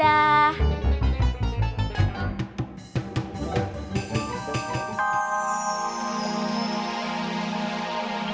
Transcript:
ya udah bang